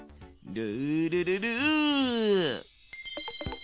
ルルルル！